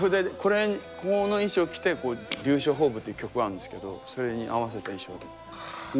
この衣装着て「龍翔鳳舞」っていう曲あるんですけどそれに合わせた衣装で。